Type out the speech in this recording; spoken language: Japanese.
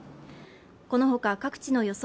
このほか各地の予想